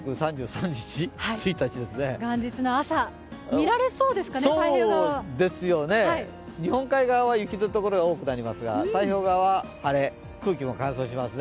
元日の朝、見られそうですかね、太平洋側は？日本海側は雪の所が多くなりますが太平洋側は晴れ、空気も乾燥しますね。